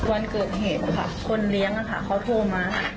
มีวันเกิดเหตุหลีกเลี้ยงโทรมา